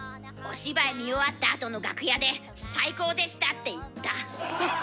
お芝居見終わったあとの楽屋で「最高でした」って言った。